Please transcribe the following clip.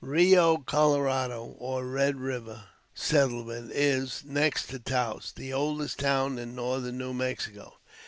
Rio Colorado, or Red River settlement, is, next to Taos, the oldest town in northern New Mexico.